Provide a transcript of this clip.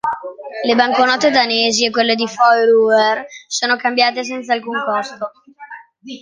Le banconote danesi e quelle di Fær Øer sono cambiate senza alcun costo.